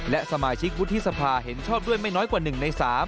และสมาชิกวุฒิสภาเห็นชอบด้วยไม่น้อยกว่า๑ใน๓